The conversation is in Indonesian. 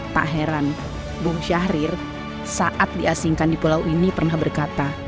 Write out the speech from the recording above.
tak heran bu syahrir saat diasingkan di pulau ini pernah berkata